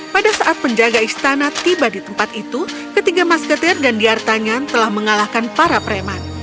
pada saat penjaga istana tiba di tempat itu ketiga masketir dan diartanyan telah mengalahkan para preman